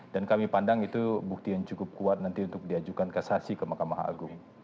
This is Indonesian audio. dan kami pandang itu bukti yang cukup kuat nanti untuk diajukan kasasi ke mahkamah agung